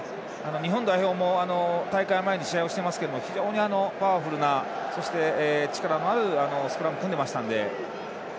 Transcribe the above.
日本代表も大会前に試合をしていますが非常にパワフルな、力のあるスクラム組んでましたので。